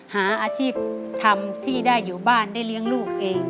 หาอาชีพทำที่ได้อยู่บ้านได้เลี้ยงลูกเอง